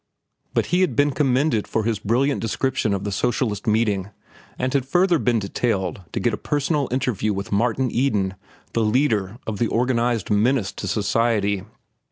But he had been commended for his brilliant description of the socialist meeting and had further been detailed to get a personal interview with Martin Eden, the leader of the organized menace to society.